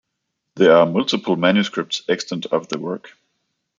There are multiple manuscripts extant of the work.